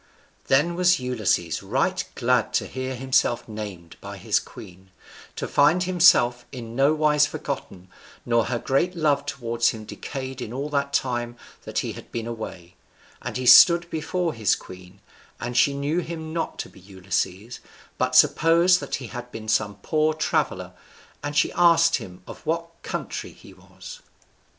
] Then was Ulysses right glad to hear himself named by his queen, to find himself in nowise forgotten, nor her great love towards him decayed in all that time that he had been away And he stood before his queen, and she knew him not to be Ulysses, but supposed that he had been some poor traveller. And she asked him of what country he was.